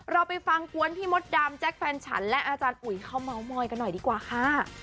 เราไปฟังกวนพี่มดดำแจ๊คแฟนฉันและอาจารย์อุ๋ยเขาเมาส์มอยกันหน่อยดีกว่าค่ะ